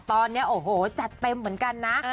ตอนนี้โอ้โหจัดเต็มเหมือนกันนะ